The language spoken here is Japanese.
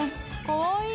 かわいい！